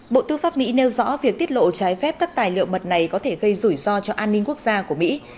bộ tư pháp mỹ nêu rõ việc tiết lộ trái phép các tài liệu mật này có thể gây rủi ro cho an ninh quốc gia của mỹ